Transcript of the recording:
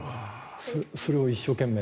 それを一生懸命。